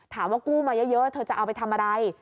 กู้มาเยอะเธอจะเอาไปทำอะไร